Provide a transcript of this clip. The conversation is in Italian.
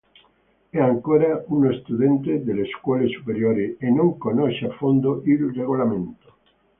È ancora uno studente delle scuole superiori e non conosce a fondo il regolamento.